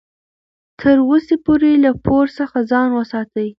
تر وسې پورې له پور څخه ځان وساتئ.